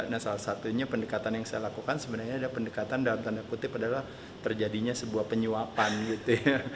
nah salah satunya pendekatan yang saya lakukan sebenarnya ada pendekatan dalam tanda kutip adalah terjadinya sebuah penyuapan gitu ya